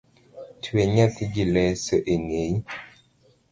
Twe nyathi gi leso eng'eyi.